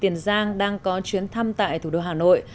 tiền giang đang có chuyến thăm tại thủ đô hà nội